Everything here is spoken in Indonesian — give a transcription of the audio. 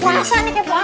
puasa nek puasa